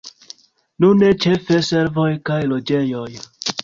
Nune ĉefe servoj kaj loĝejoj.